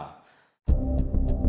nah kita akan mencoba